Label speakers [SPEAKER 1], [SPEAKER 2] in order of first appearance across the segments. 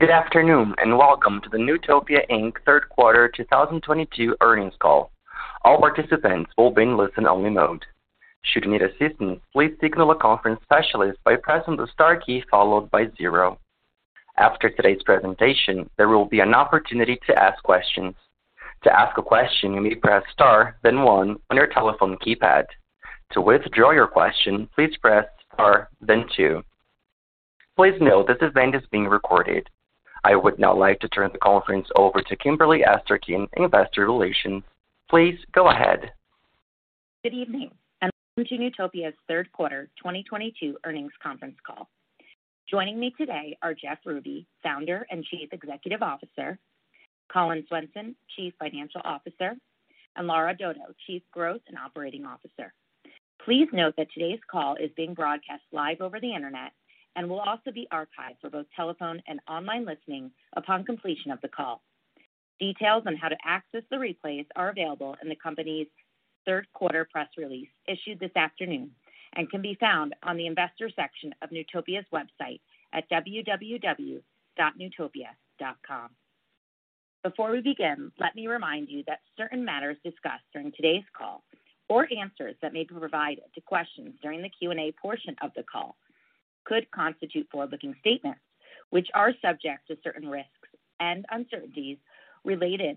[SPEAKER 1] Good afternoon, and welcome to the Newtopia Inc. third quarter 2022 earnings call. All participants will be in listen-only mode. Should you need assistance, please signal a conference specialist by pressing the star key followed by zero. After today's presentation, there will be an opportunity to ask questions. To ask a question, you may press star, then one on your telephone keypad. To withdraw your question, please press star then two. Please note this event is being recorded. I would now like to turn the conference over to Kimberly Esterkin, Investor Relations. Please go ahead.
[SPEAKER 2] Good evening and welcome to Newtopia's third quarter 2022 earnings conference call. Joining me today are Jeff Ruby, Founder and Chief Executive Officer, Collin Swenson, Chief Financial Officer, and Lara Dodo, Chief Growth and Operating Officer. Please note that today's call is being broadcast live over the Internet and will also be archived for both telephone and online listening upon completion of the call. Details on how to access the replays are available in the company's third quarter press release issued this afternoon and can be found on the investor section of Newtopia's website at www.newtopia.com. Before we begin, let me remind you that certain matters discussed during today's call or answers that may be provided to questions during the Q&A portion of the call could constitute forward-looking statements, which are subject to certain risks and uncertainties related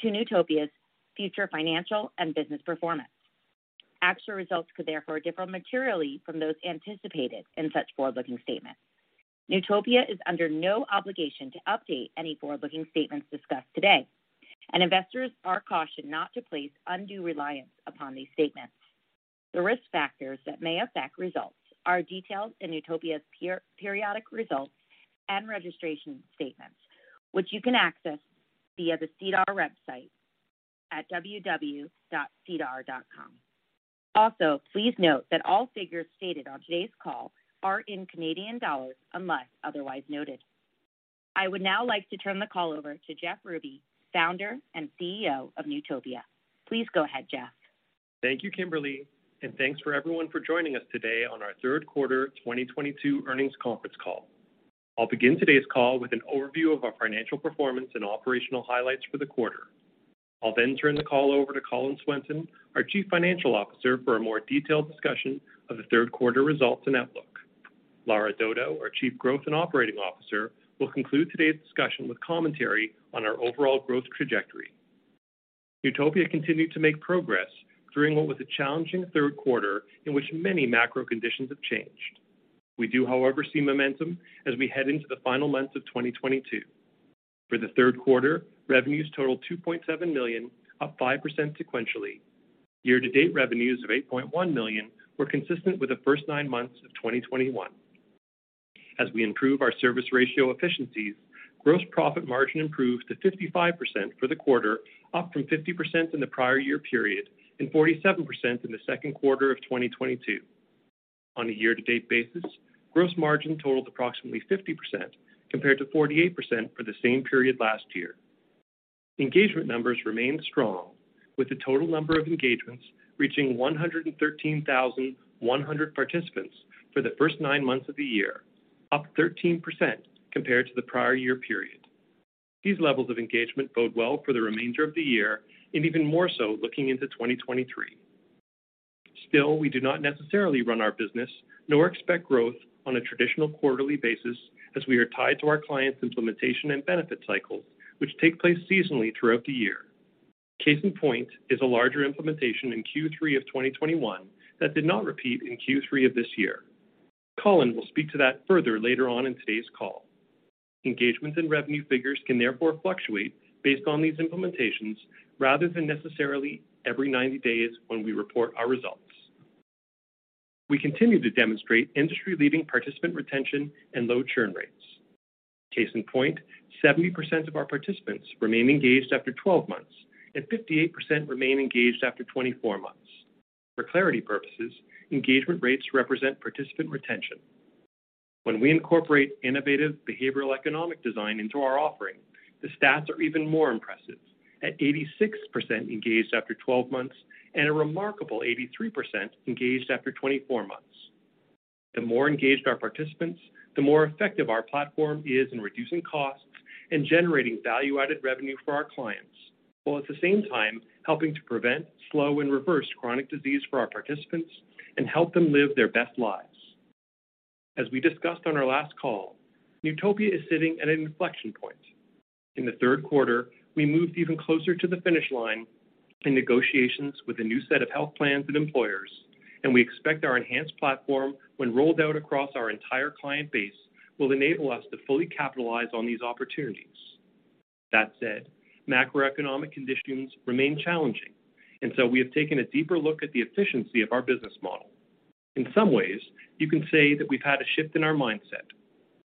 [SPEAKER 2] to Newtopia's future financial and business performance. Actual results could therefore differ materially from those anticipated in such forward-looking statements. Newtopia is under no obligation to update any forward-looking statements discussed today, and investors are cautioned not to place undue reliance upon these statements. The risk factors that may affect results are detailed in Newtopia's periodic results and registration statements, which you can access via the SEDAR website at www.sedar.com. Also, please note that all figures stated on today's call are in Canadian dollars unless otherwise noted. I would now like to turn the call over to Jeff Ruby, founder and CEO of Newtopia. Please go ahead, Jeff.
[SPEAKER 3] Thank you, Kimberly Esterkin, and thanks for everyone for joining us today on our third quarter 2022 earnings conference call. I'll begin today's call with an overview of our financial performance and operational highlights for the quarter. I'll then turn the call over to Collin Swenson, our Chief Financial Officer, for a more detailed discussion of the third quarter results and outlook. Lara Dodo, our Chief Growth and Operating Officer, will conclude today's discussion with commentary on our overall growth trajectory. Newtopia continued to make progress during what was a challenging third quarter in which many macro conditions have changed. We do, however, see momentum as we head into the final months of 2022. For the third quarter, revenues totaled 2.7 million, up 5% sequentially. Year-to-date revenues of 8.1 million were consistent with the first nine months of 2021. As we improve our service ratio efficiencies, gross profit margin improved to 55% for the quarter, up from 50% in the prior year period and 47% in the second quarter of 2022. On a year-to-date basis, gross margin totaled approximately 50% compared to 48% for the same period last year. Engagement numbers remained strong, with the total number of engagements reaching 113,100 participants for the first nine months of the year, up 13% compared to the prior year period. These levels of engagement bode well for the remainder of the year and even more so looking into 2023. Still, we do not necessarily run our business nor expect growth on a traditional quarterly basis as we are tied to our clients' implementation and benefit cycles, which take place seasonally throughout the year. Case in point is a larger implementation in Q3 of 2021 that did not repeat in Q3 of this year. Collin will speak to that further later on in today's call. Engagements and revenue figures can therefore fluctuate based on these implementations rather than necessarily every 90 days when we report our results. We continue to demonstrate industry-leading participant retention and low churn rates. Case in point, 70% of our participants remain engaged after 12 months, and 58% remain engaged after 24 months. For clarity purposes, engagement rates represent participant retention. When we incorporate innovative behavioral economic design into our offering, the stats are even more impressive at 86% engaged after 12 months and a remarkable 83% engaged after 24 months. The more engaged our participants, the more effective our platform is in reducing costs and generating value-added revenue for our clients, while at the same time helping to prevent, slow, and reverse chronic disease for our participants and help them live their best lives. As we discussed on our last call, Newtopia is sitting at an inflection point. In the third quarter, we moved even closer to the finish line in negotiations with a new set of health plans and employers, and we expect our enhanced platform, when rolled out across our entire client base, will enable us to fully capitalize on these opportunities. That said, macroeconomic conditions remain challenging, and so we have taken a deeper look at the efficiency of our business model. In some ways, you can say that we've had a shift in our mindset.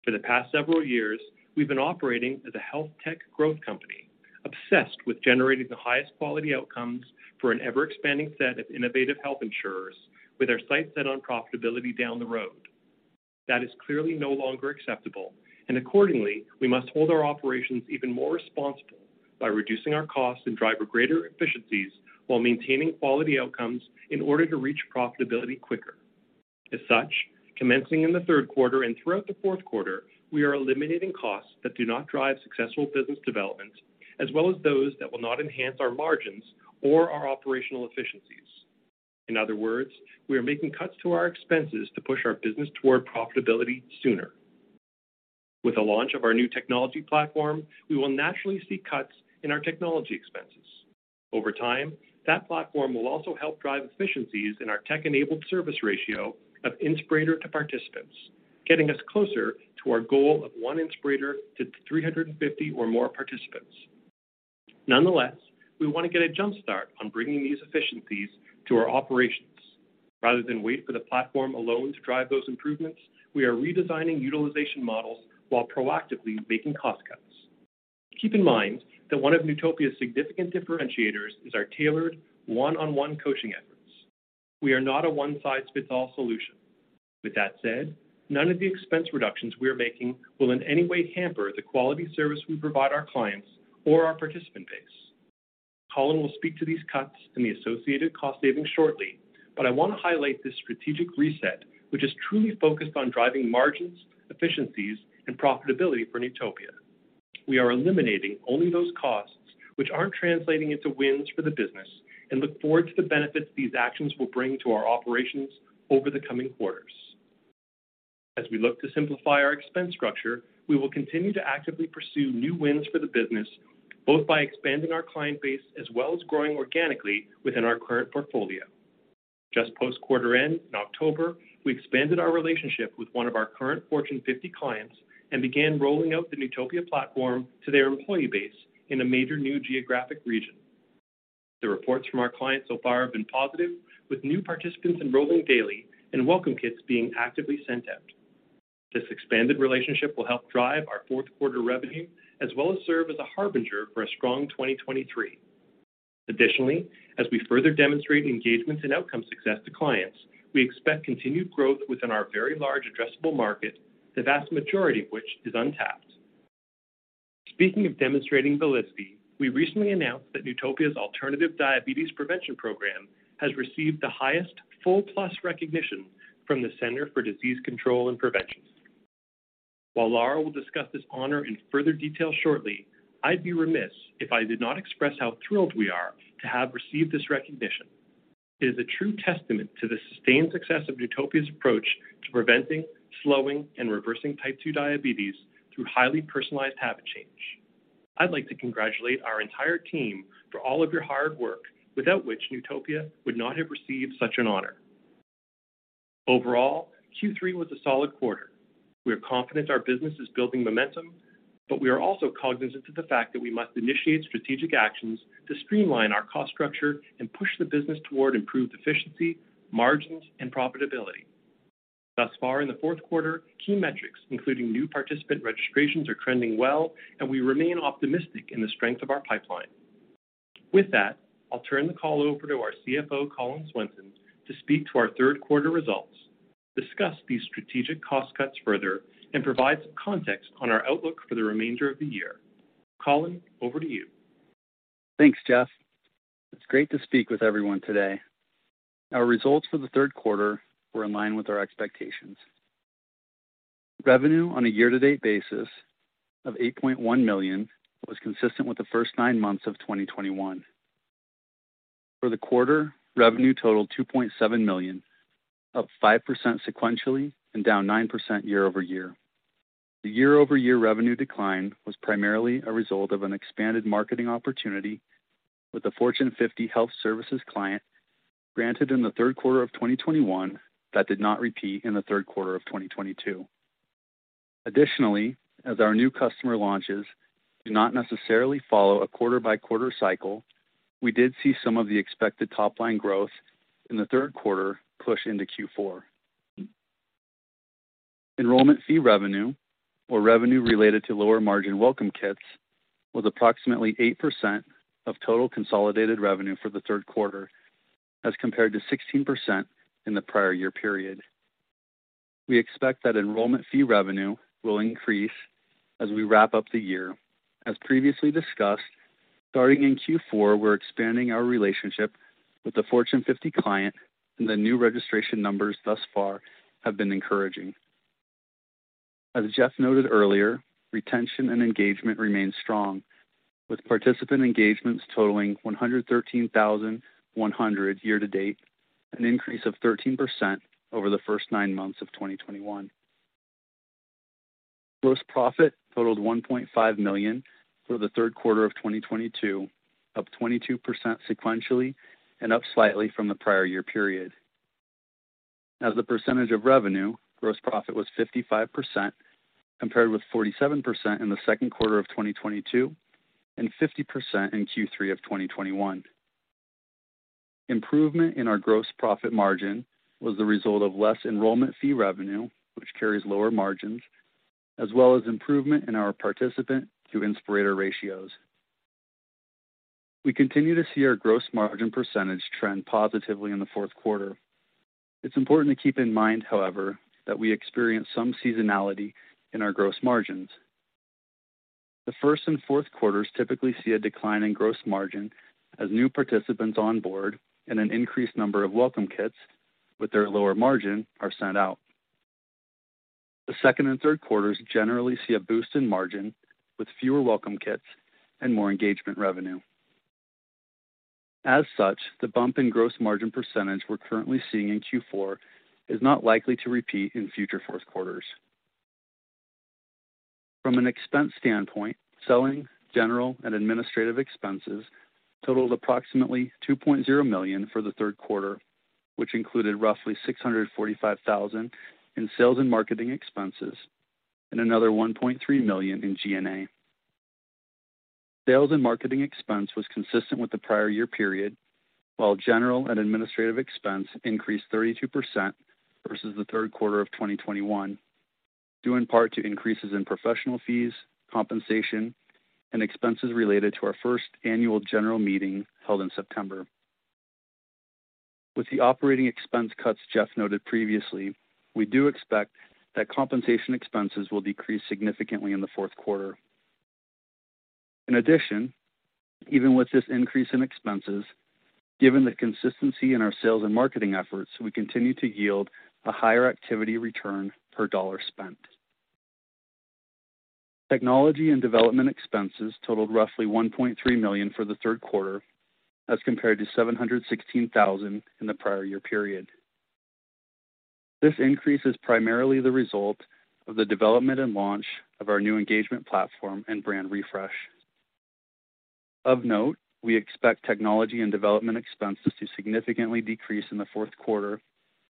[SPEAKER 3] For the past several years, we've been operating as a health tech growth company, obsessed with generating the highest quality outcomes for an ever-expanding set of innovative health insurers with our sights set on profitability down the road. That is clearly no longer acceptable, and accordingly, we must hold our operations even more responsible by reducing our costs and drive greater efficiencies while maintaining quality outcomes in order to reach profitability quicker. As such, commencing in the third quarter and throughout the fourth quarter, we are eliminating costs that do not drive successful business development, as well as those that will not enhance our margins or our operational efficiencies. In other words, we are making cuts to our expenses to push our business toward profitability sooner. With the launch of our new technology platform, we will naturally see cuts in our technology expenses. Over time, that platform will also help drive efficiencies in our tech-enabled service ratio of Inspirator to participants, getting us closer to our goal of one Inspirator to 350 or more participants. Nonetheless, we want to get a jump start on bringing these efficiencies to our operations. Rather than wait for the platform alone to drive those improvements, we are redesigning utilization models while proactively making cost cuts. Keep in mind that one of Newtopia's significant differentiators is our tailored one-on-one coaching efforts. We are not a one-size-fits-all solution. With that said, none of the expense reductions we are making will in any way hamper the quality service we provide our clients or our participant base. Collin will speak to these cuts and the associated cost savings shortly, but I want to highlight this strategic reset, which is truly focused on driving margins, efficiencies, and profitability for Newtopia. We are eliminating only those costs which aren't translating into wins for the business and look forward to the benefits these actions will bring to our operations over the coming quarters. As we look to simplify our expense structure, we will continue to actively pursue new wins for the business, both by expanding our client base as well as growing organically within our current portfolio. Just post quarter end in October, we expanded our relationship with one of our current Fortune 50 clients and began rolling out the Newtopia platform to their employee base in a major new geographic region. The reports from our clients so far have been positive, with new participants enrolling daily and welcome kits being actively sent out. This expanded relationship will help drive our fourth quarter revenue, as well as serve as a harbinger for a strong 2023. Additionally, as we further demonstrate engagement and outcome success to clients, we expect continued growth within our very large addressable market, the vast majority of which is untapped. Speaking of demonstrating validity, we recently announced that Newtopia's alternative diabetes prevention program has received the highest Full Plus recognition from the Centers for Disease Control and Prevention. While Lara will discuss this honor in further detail shortly, I'd be remiss if I did not express how thrilled we are to have received this recognition. It is a true testament to the sustained success of Newtopia's approach to preventing, slowing, and reversing type 2 diabetes through highly personalized habit change. I'd like to congratulate our entire team for all of your hard work, without which Newtopia would not have received such an honor. Overall, Q3 was a solid quarter. We are confident our business is building momentum, but we are also cognizant of the fact that we must initiate strategic actions to streamline our cost structure and push the business toward improved efficiency, margins, and profitability. Thus far in the fourth quarter, key metrics, including new participant registrations, are trending well, and we remain optimistic in the strength of our pipeline. With that, I'll turn the call over to our CFO, Collin Swenson, to speak to our third quarter results, discuss these strategic cost cuts further, and provide some context on our outlook for the remainder of the year. Collin, over to you.
[SPEAKER 4] Thanks, Jeff. It's great to speak with everyone today. Our results for the third quarter were in line with our expectations. Revenue on a year-to-date basis of 8.1 million was consistent with the first nine months of 2021. For the quarter, revenue totaled 2.7 million, up 5% sequentially and down 9% year-over-year. The year-over-year revenue decline was primarily a result of an expanded marketing opportunity with a Fortune 50 health services client granted in the third quarter of 2021 that did not repeat in the third quarter of 2022. Additionally, as our new customer launches do not necessarily follow a quarter-by-quarter cycle, we did see some of the expected top-line growth in the third quarter push into Q4. Enrollment fee revenue or revenue related to lower margin Welcome Kits was approximately 8% of total consolidated revenue for the third quarter as compared to 16% in the prior year period. We expect that enrollment fee revenue will increase as we wrap up the year. As previously discussed, starting in Q4, we're expanding our relationship with the Fortune 50 client, and the new registration numbers thus far have been encouraging. As Jeff noted earlier, retention and engagement remain strong, with participant engagements totaling 113,100 year-to-date, an increase of 13% over the first nine months of 2021. Gross profit totaled 1.5 million for the third quarter of 2022, up 22% sequentially and up slightly from the prior year period. As a percentage of revenue, gross profit was 55%, compared with 47% in the second quarter of 2022 and 50% in Q3 of 2021. Improvement in our gross profit margin was the result of less enrollment fee revenue, which carries lower margins, as well as improvement in our participant to Inspirator ratios. We continue to see our gross margin percentage trend positively in the fourth quarter. It's important to keep in mind, however, that we experience some seasonality in our gross margins. The first and fourth quarters typically see a decline in gross margin as new participants onboard and an increased number of Welcome Kits with their lower margin are sent out. The second and third quarters generally see a boost in margin with fewer Welcome Kits and more engagement revenue. As such, the bump in gross margin percentage we're currently seeing in Q4 is not likely to repeat in future fourth quarters. From an expense standpoint, selling, general and administrative expenses totaled approximately 2.0 million for the third quarter, which included roughly 645,000 in sales and marketing expenses and another 1.3 million in G&A. Sales and marketing expense was consistent with the prior year period, while general and administrative expense increased 32% versus the third quarter of 2021, due in part to increases in professional fees, compensation, and expenses related to our first annual general meeting held in September. With the operating expense cuts Jeff noted previously, we do expect that compensation expenses will decrease significantly in the fourth quarter. In addition, even with this increase in expenses, given the consistency in our sales and marketing efforts, we continue to yield a higher activity return per dollar spent. Technology and development expenses totaled roughly 1.3 million for the third quarter as compared to 716,000 in the prior year period. This increase is primarily the result of the development and launch of our new engagement platform and brand refresh. Of note, we expect technology and development expenses to significantly decrease in the fourth quarter,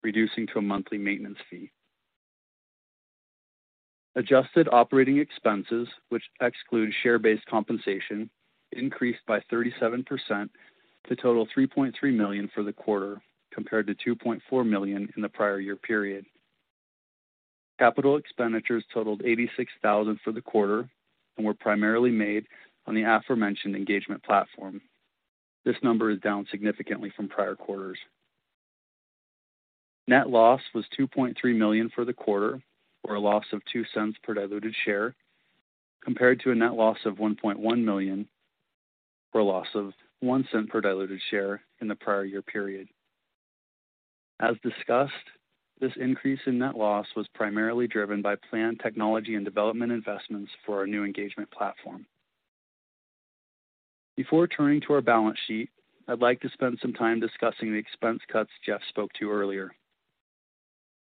[SPEAKER 4] reducing to a monthly maintenance fee. Adjusted operating expenses, which exclude share-based compensation, increased by 37% to total 3.3 million for the quarter compared to 2.4 million in the prior year period. Capital expenditures totaled 86,000 for the quarter and were primarily made on the aforementioned engagement platform. This number is down significantly from prior quarters. Net loss was 2.3 million for the quarter, or a loss of 0.02 per diluted share, compared to a net loss of 1.1 million, or a loss of 0.01 per diluted share in the prior year period. As discussed, this increase in net loss was primarily driven by planned technology and development investments for our new engagement platform. Before turning to our balance sheet, I'd like to spend some time discussing the expense cuts Jeff spoke to earlier.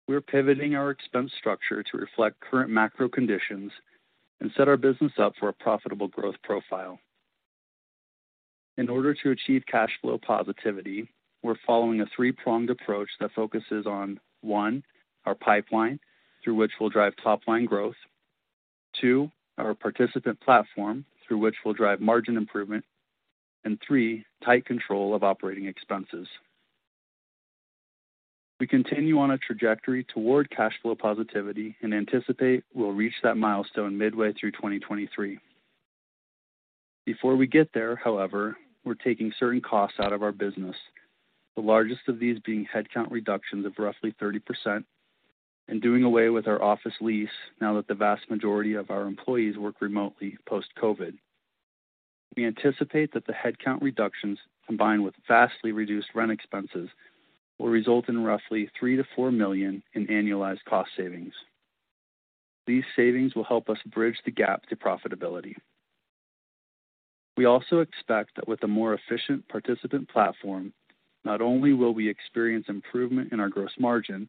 [SPEAKER 4] We're pivoting our expense structure to reflect current macro conditions and set our business up for a profitable growth profile. In order to achieve cash flow positivity, we're following a three-pronged approach that focuses on, one, our pipeline through which we'll drive top line growth. Two, our participant platform through which we'll drive margin improvement. Three, tight control of operating expenses. We continue on a trajectory toward cash flow positivity and anticipate we'll reach that milestone midway through 2023. Before we get there, however, we're taking certain costs out of our business, the largest of these being headcount reductions of roughly 30% and doing away with our office lease now that the vast majority of our employees work remotely post-COVID. We anticipate that the headcount reductions, combined with vastly reduced rent expenses, will result in roughly 3-4 million in annualized cost savings. These savings will help us bridge the gap to profitability. We also expect that with a more efficient participant platform, not only will we experience improvement in our gross margin,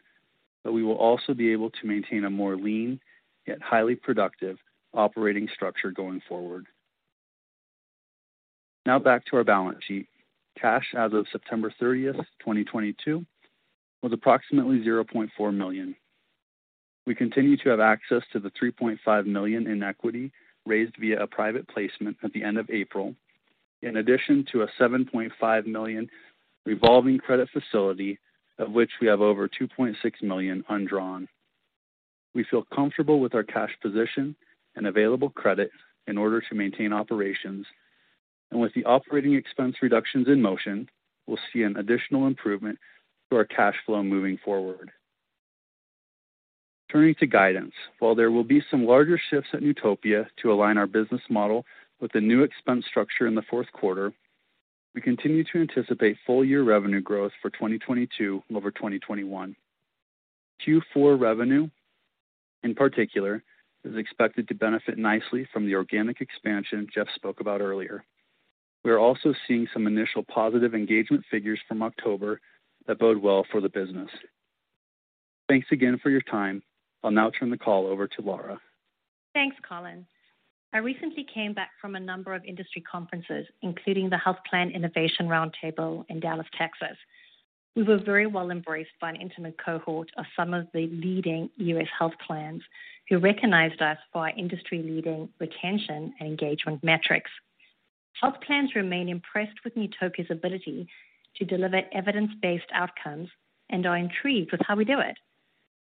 [SPEAKER 4] but we will also be able to maintain a more lean yet highly productive operating structure going forward. Now back to our balance sheet. Cash as of September 30th, 2022 was approximately 0.4 million. We continue to have access to the 3.5 million in equity raised via a private placement at the end of April. In addition to a 7.5 million revolving credit facility, of which we have over 2.6 million undrawn. We feel comfortable with our cash position and available credit in order to maintain operations. With the operating expense reductions in motion, we'll see an additional improvement to our cash flow moving forward. Turning to guidance. While there will be some larger shifts at Newtopia to align our business model with the new expense structure in the fourth quarter, we continue to anticipate full year revenue growth for 2022 over 2021. Q4 revenue, in particular, is expected to benefit nicely from the organic expansion Jeff spoke about earlier. We are also seeing some initial positive engagement figures from October that bode well for the business. Thanks again for your time. I'll now turn the call over to Lara.
[SPEAKER 5] Thanks, Collin. I recently came back from a number of industry conferences, including the Health Plan Innovation Roundtable in Dallas, Texas. We were very well embraced by an intimate cohort of some of the leading U.S. health plans who recognized us for our industry-leading retention and engagement metrics. Health plans remain impressed with Newtopia's ability to deliver evidence-based outcomes and are intrigued with how we do it,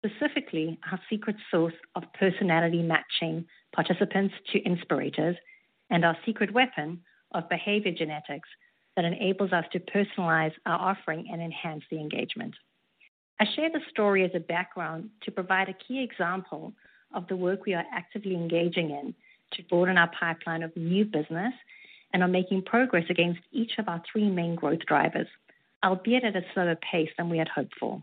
[SPEAKER 5] specifically our secret sauce of personality matching participants to Inspirators and our secret weapon of behavioral genetics that enables us to personalize our offering and enhance the engagement. I share this story as a background to provide a key example of the work we are actively engaging in to broaden our pipeline of new business and are making progress against each of our three main growth drivers, albeit at a slower pace than we had hoped for.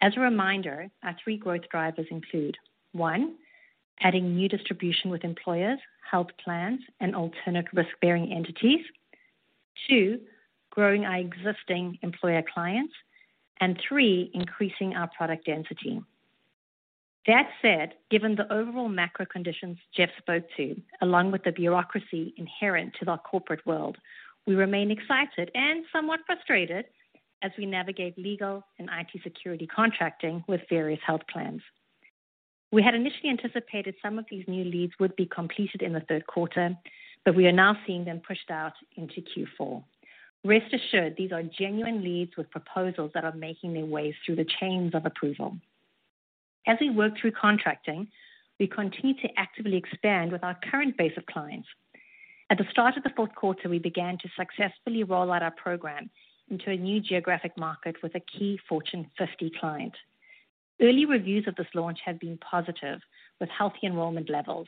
[SPEAKER 5] As a reminder, our three growth drivers include one, adding new distribution with employers, health plans, and alternate risk-bearing entities. Two, growing our existing employer clients. Three, increasing our product density. That said, given the overall macro conditions Jeff spoke to, along with the bureaucracy inherent to the corporate world, we remain excited and somewhat frustrated as we navigate legal and IT security contracting with various health plans. We had initially anticipated some of these new leads would be completed in the third quarter, but we are now seeing them pushed out into Q4. Rest assured, these are genuine leads with proposals that are making their ways through the chains of approval. As we work through contracting, we continue to actively expand with our current base of clients. At the start of the fourth quarter, we began to successfully roll out our program into a new geographic market with a key Fortune 50 client. Early reviews of this launch have been positive, with healthy enrollment levels.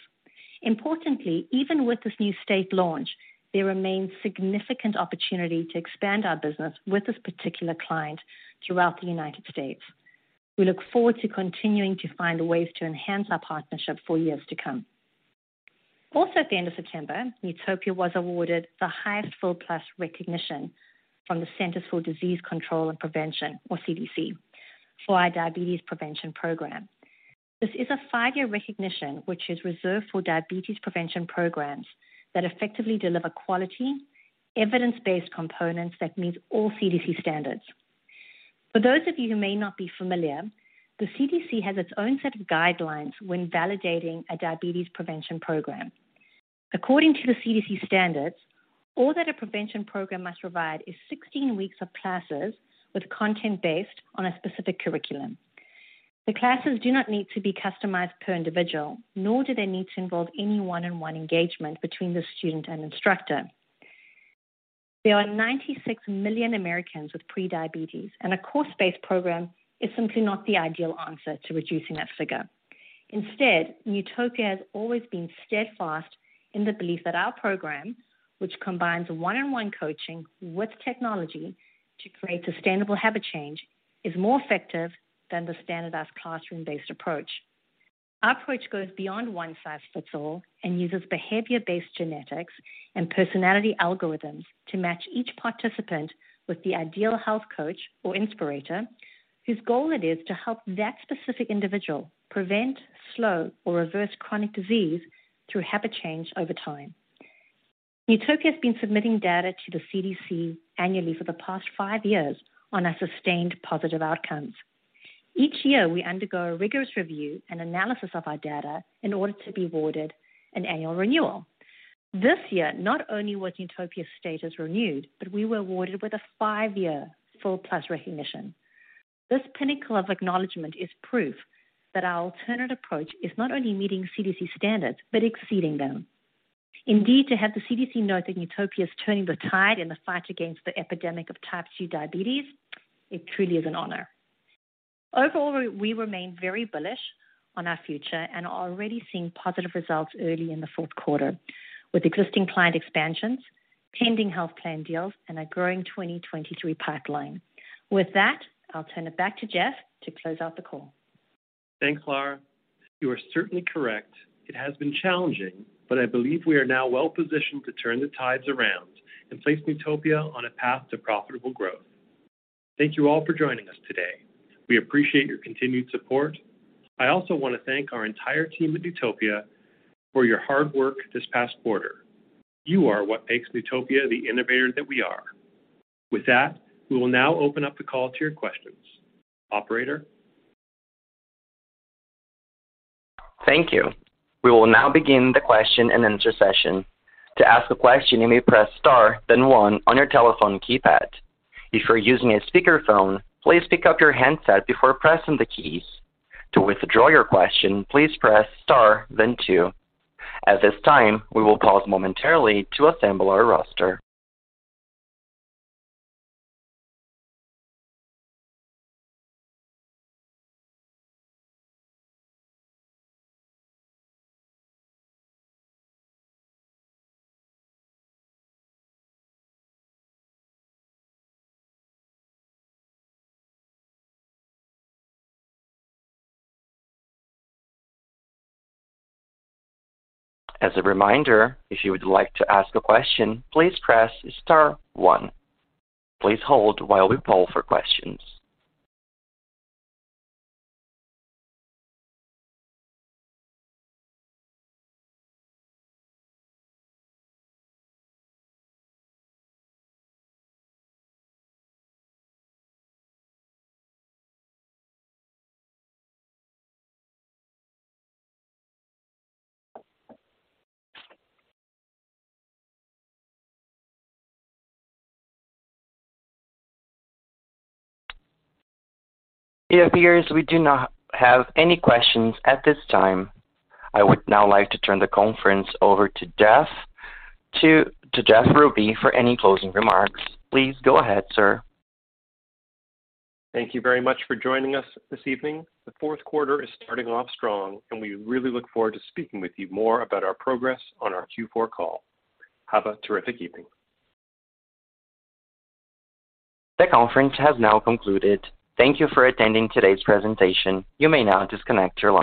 [SPEAKER 5] Importantly, even with this new state launch, there remains significant opportunity to expand our business with this particular client throughout the United States. We look forward to continuing to find ways to enhance our partnership for years to come. Also at the end of September, Newtopia was awarded the highest Full Plus recognition from the Centers for Disease Control and Prevention, or CDC, for our diabetes prevention program. This is a five-year recognition which is reserved for diabetes prevention programs that effectively deliver quality, evidence-based components that meet all CDC standards. For those of you who may not be familiar, the CDC has its own set of guidelines when validating a diabetes prevention program. According to the CDC standards, all that a prevention program must provide is 16 weeks of classes with content based on a specific curriculum. The classes do not need to be customized per individual, nor do they need to involve any one-on-one engagement between the student and instructor. There are 96 million Americans with prediabetes, and a course-based program is simply not the ideal answer to reducing that figure. Instead, Newtopia has always been steadfast in the belief that our program, which combines one-on-one coaching with technology to create sustainable habit change, is more effective than the standardized classroom-based approach. Our approach goes beyond one size fits all and uses behavioral genetics and personality algorithms to match each participant with the ideal health coach or Inspirator, whose goal it is to help that specific individual prevent, slow, or reverse chronic disease through habit change over time. Newtopia has been submitting data to the CDC annually for the past five years on our sustained positive outcomes. Each year, we undergo a rigorous review and analysis of our data in order to be awarded an annual renewal. This year, not only was Newtopia's status renewed, but we were awarded with a five-year Full Plus recognition. This pinnacle of acknowledgment is proof that our alternate approach is not only meeting CDC standards, but exceeding them. Indeed, to have the CDC note that Newtopia is turning the tide in the fight against the epidemic of type 2 diabetes, it truly is an honor. Overall, we remain very bullish on our future and are already seeing positive results early in the fourth quarter with existing client expansions, pending health plan deals, and a growing 2023 pipeline. With that, I'll turn it back to Jeff to close out the call.
[SPEAKER 3] Thanks, Lara. You are certainly correct. It has been challenging, but I believe we are now well-positioned to turn the tides around and place Newtopia on a path to profitable growth. Thank you all for joining us today. We appreciate your continued support. I also want to thank our entire team at Newtopia for your hard work this past quarter. You are what makes Newtopia the innovator that we are. With that, we will now open up the call to your questions. Operator?
[SPEAKER 1] Thank you. We will now begin the question-and-answer session. To ask a question, you may press star then one on your telephone keypad. If you're using a speakerphone, please pick up your handset before pressing the keys. To withdraw your question, please press star then two. At this time, we will pause momentarily to assemble our roster. As a reminder, if you would like to ask a question, please press star one. Please hold while we poll for questions. It appears we do not have any questions at this time. I would now like to turn the conference over to Jeff Ruby for any closing remarks. Please go ahead, sir.
[SPEAKER 3] Thank you very much for joining us this evening. The fourth quarter is starting off strong, and we really look forward to speaking with you more about our progress on our Q4 call. Have a terrific evening.
[SPEAKER 1] The conference has now concluded. Thank you for attending today's presentation. You may now disconnect your line.